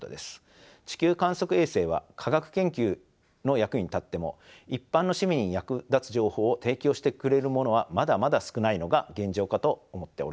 地球観測衛星は科学研究の役に立っても一般の市民に役立つ情報を提供してくれるものはまだまだ少ないのが現状かと思っております。